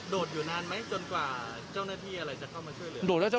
อยู่นานไหมจนกว่าเจ้าหน้าที่อะไรจะเข้ามาช่วยเหลือโดดแล้วจะ